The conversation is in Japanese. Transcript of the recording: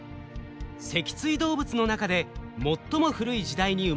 脊椎動物の中で最も古い時代に生まれた魚。